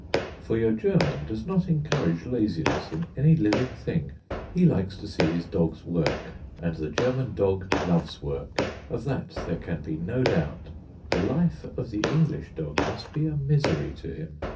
For your German does not encourage laziness in any living thing. He likes to see his dogs work, and the German dog loves work; of that there can be no doubt. The life of the English dog must be a misery to him.